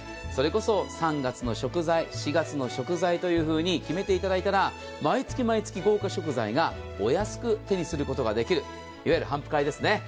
それこそ３月の食材、４月の食材というふうに決めていただいたら、毎月毎月、豪華食材がお安く手にすることができる、いわゆる頒布会ですね。